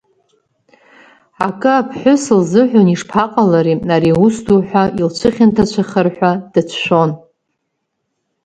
Акы аԥҳәыс лзыҳәан ишԥаҟалари ари аус ду ҳәа илцәыхьанҭацәахар ҳәа дацәшәон…